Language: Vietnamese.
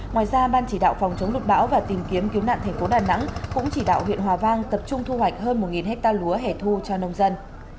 ngoài ra ban chỉ đạo phòng chống lụt bão và tìm kiếm cứu nạn thành phố đà nẵng cũng chỉ đạo huyện hòa vang tập trung thu hoạch hơn một hectare lúa hẻ thu cho nông dân